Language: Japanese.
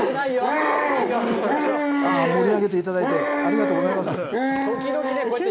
盛り上げていただいてありがとうございます。